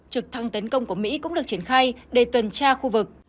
trực thăng tấn công của mỹ cũng được triển khai để tuần tra khu vực